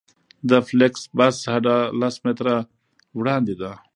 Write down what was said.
د فلېکس بس هډه لس متره وړاندې ده